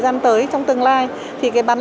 giao nhận logistics